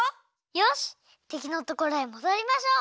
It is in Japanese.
よしてきのところへもどりましょう！